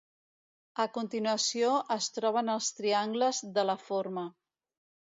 A continuació es troben els triangles de la forma.